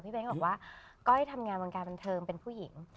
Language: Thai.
เบ้นก็บอกว่าก้อยทำงานวงการบันเทิงเป็นผู้หญิง